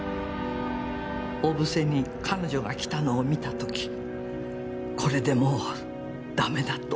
小布施に彼女が来たのを見た時これでもう駄目だと思った。